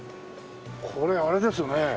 これあれですね。